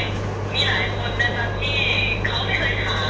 ครั้งล่าสุดคุณประกาศเข้ามาในคลิปว่า